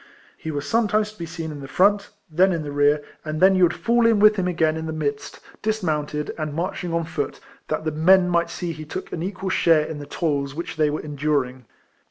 He was sometimes to be seen in the front, then in the rear, and then you would fall in with him again in the midst, dis mounted, and marching on foot, that the men might see he took an equal share in the 208 RECOLLECTIONS OF toils which they were enduring.